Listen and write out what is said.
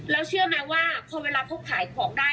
แล้วเชื่อไหมว่าพอเวลาเขาขายของได้